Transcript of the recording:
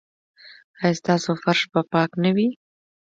ایا ستاسو فرش به پاک نه وي؟